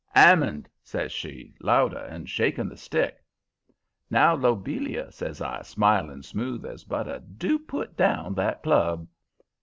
"''Ammond!' says she, louder, and shaking the stick. "'Now, Lobelia,' says I, smiling smooth as butter, 'do put down that club!'